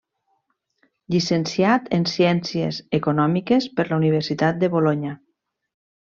Llicenciat en Ciències Econòmiques per la Universitat de Bolonya.